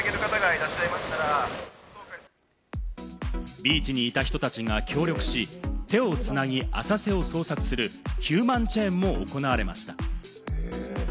ビーチにいた人たちが協力し、手を繋ぎ、浅瀬を捜索するヒューマンチェーンも行われました。